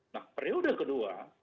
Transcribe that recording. nah periode kedua